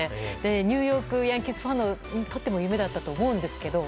ニューヨーク・ヤンキースファンにとっても夢だったと思うんですけど。